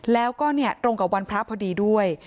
แล้วก็ตรงกับวันพระพอดีด้วย